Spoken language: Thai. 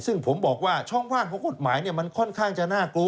ซึ่งผมบอกว่าช่องว่างของกฎหมายมันค่อนข้างจะน่ากลัว